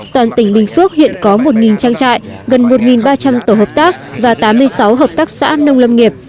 toàn tỉnh bình phước hiện có một trang trại gần một ba trăm linh tổ hợp tác và tám mươi sáu hợp tác xã nông lâm nghiệp